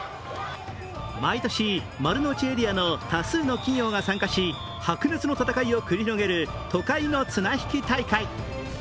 毎年、丸の内エリアの多数の企業が参加し、白熱の戦いを繰り広げる都会の綱引き大会。